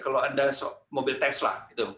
kalau anda mobil tesla